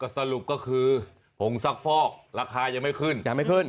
สรุปก็คือผงซักฟอกราคายังไม่ขึ้น